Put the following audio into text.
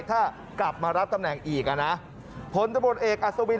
ถ้ากลับมารับตำแหน่งอีกอ่ะนะผลตำรวจเอกอัศวิน